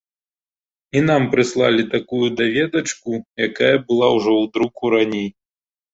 І нам прыслалі такую даведачку, якая была ўжо ў друку раней.